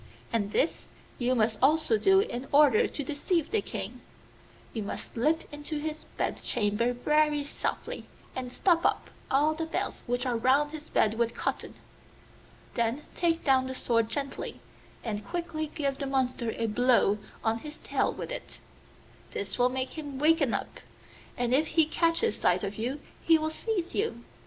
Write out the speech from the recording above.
And this you must also do in order to deceive the King: you must slip into his bed chamber very softly, and stop up all the bells which are round his bed with cotton. Then take down the sword gently, and quickly give the monster a blow on his tail with it. This will make him waken up, and if he catches sight of you he will seize you.